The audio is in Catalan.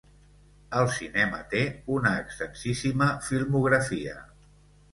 Al cinema té una extensíssima filmografia.